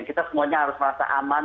kita semuanya harus merasa aman